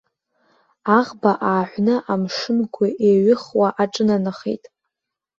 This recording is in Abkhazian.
Аӷба ааҳәны амшын-гәы еиҩыхуа аҿынанахеит.